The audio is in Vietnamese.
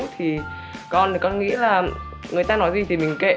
thì con thì con nghĩ là người ta nói gì thì mình kệ